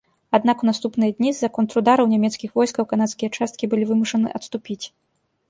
Аднак у наступныя дні з-за контрудараў нямецкіх войскаў канадскія часткі былі вымушаныя адступіць.